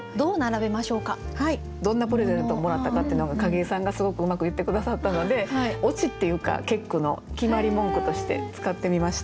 どんなプレゼントをもらったかっていうのが景井さんがすごくうまく言って下さったのでオチっていうか結句の決まり文句として使ってみました。